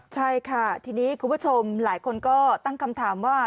ใช่ค่ะทีนี้คุณผู้ชมหลายคนก็ตั้งคำถามว่า